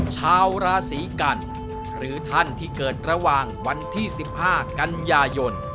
ชาวราศีกันหรือท่านที่เกิดระหว่างวันที่๑๕กันยายน